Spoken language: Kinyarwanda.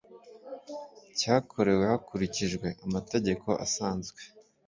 cyakorewe hakurikijwe amategeko asanzwe